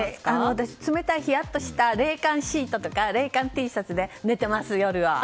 私、冷たい、ひやっとした冷感シートとか冷感Ｔシャツで夜は寝ています。